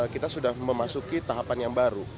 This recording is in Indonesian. kita sudah memasuki tahapan yang baru